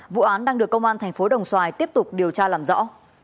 vụ án đang được công an thành phố đồng xoài tiếp tục điều tra làm rõ